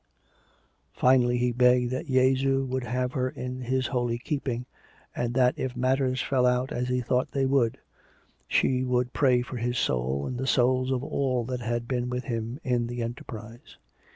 Finally, he begged that " Jesu would have her in His holy keeping," and that if matters fell out as he thought they would, she would pray for his soul, and the souls of all that had been with him in the enterprise.